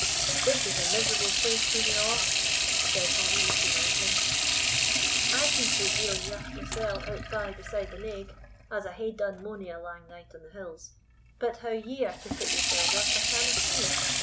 "This is a miserable place for ye a'," said Hobbie, looking around him; "I can sleep weel eneugh mysell outby beside the naig, as I hae done mony a lang night on the hills; but how ye are to put yoursells up, I canna see!